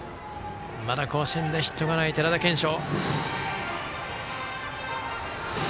まだ甲子園でヒットがない寺田賢生。